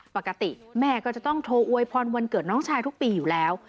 ปกติแม่ก็จะต้องโทรอวยพรวันเกิดน้องชายทุกปีอยู่แล้ว